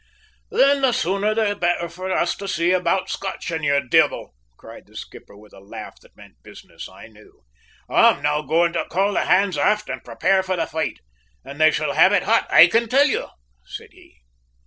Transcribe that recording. "Then the sooner the better for us to see about `Scotching' your de'il," cried the skipper with a laugh that meant business, I knew. "I'm now going to call the hands aft and prepare for the fight, and they shall have it hot, I can tell you," said he.